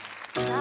あ